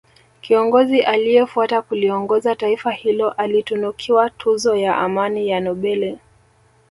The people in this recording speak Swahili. kiongozi aliyefuata kuliongoza taifa hilo alitunukiwa tuzo ya amani ya nobeli